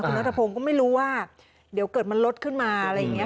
คุณนัทพงศ์ก็ไม่รู้ว่าเดี๋ยวเกิดมันลดขึ้นมาอะไรอย่างนี้